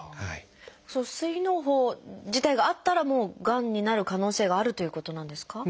その膵のう胞自体があったらもうがんになる可能性があるということなんですか？